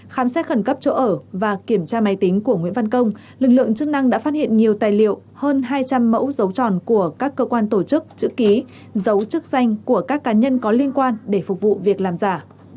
khám xét khẩn cấp chỗ ở và kiểm tra máy tính của nguyễn văn công lực lượng chức năng đã phát hiện nhiều tài liệu hơn hai trăm linh mẫu dấu tròn của các cơ quan tổ chức chữ ký dấu chức danh của các cá nhân có liên quan để phục vụ việc làm giả